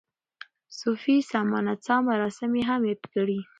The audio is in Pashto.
صوفي سما نڅا مراسم یې هم یاد کړي.